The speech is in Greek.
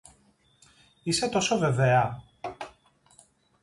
Είσαι τόσο βεβαία;